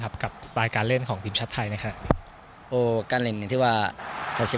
อาเซียทำงานดีกว่าไม่ดี